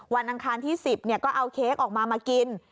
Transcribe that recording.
อังคารที่๑๐ก็เอาเค้กออกมามากิน